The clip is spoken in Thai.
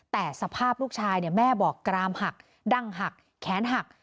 แต่สภาพลูกชายแม่บอกกรามหักดั้งหักแขนหัก